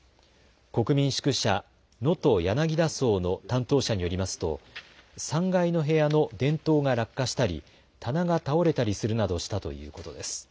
国民宿舎能登やなぎだ荘の担当者によりますと３階の部屋の電灯が落下したり棚が倒れたりするなどしたということです。